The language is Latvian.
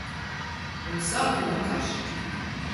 Un sākam ar kašķi.